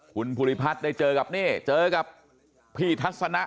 คุณภูริพัฒน์ได้เจอกับนี่เจอกับพี่ทัศนะ